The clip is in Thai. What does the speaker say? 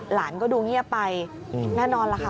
หลานก็ดูเงียบไปแน่นอนล่ะค่ะ